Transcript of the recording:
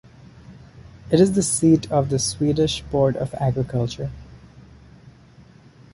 It is the seat of the Swedish Board of Agriculture.